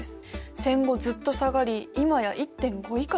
戦後ずっと下がり今や１．５以下です。